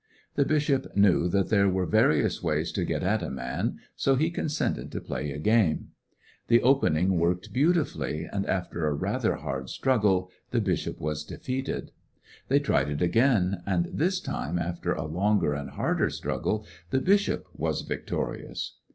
The bishop knew that there were various ways to get at a man, so he consented to play a game. The opening worked beauti fully, and after a rather hard struggle the bishop was defeated. They tried it again, and this time, after a longer and harder struggle, the bishop was victorious.